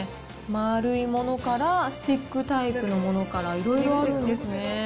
丸いものからスティックタイプのものから、いろいろあるんですね。